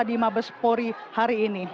di mabespori hari ini